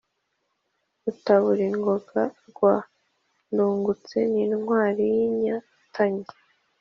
Rutaburingoga rwa Ndungutse ni Intwari y’inyatanyi